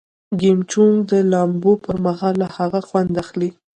کیم جونګ د لامبو پر مهال له هغه خوند اخلي.